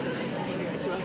お願いします